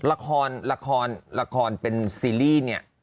ละครละครละครเป็นซีรีส์